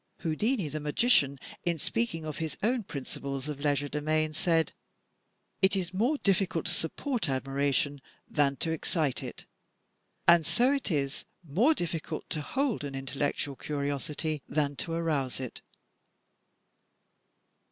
Houdin, the magician, in speaking of his own principles of legerdemain, said: "It is more diflScult to support admira tion than to excite it," and so it is more difficult to hold an intellectual curiosity than to arouse it.